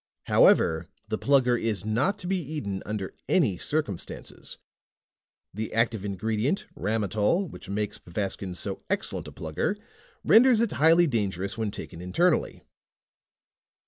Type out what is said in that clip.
HOWEVER THE PLUGGER IS NOT TO BE EATEN UNDER ANY CIRCUMSTANCES. THE ACTIVE INGREDIENT, RAMOTOL, WHICH MAKES PVASTKIN'S SO EXCELLENT A PLUGGER RENDERS IT HIGHLY DANGEROUS WHEN TAKEN INTERNALLY."